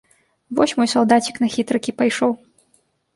Вось мой салдацік на хітрыкі пайшоў.